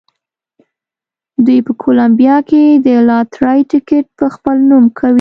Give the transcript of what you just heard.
دوی په کولمبیا کې د لاټرۍ ټکټ په خپل نوم کوي.